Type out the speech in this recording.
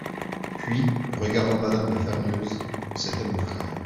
Puis, regardant M^{me} de Ferneuse : —«C’était mon frère.